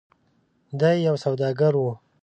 د ی یو سوداګر و.